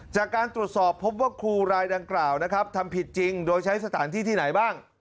จากการตรวจสอบพบว่าครูรายดังกล่าวนะครับทำผิดจริงโดยใช้สถานที่ที่ไหนบ้าง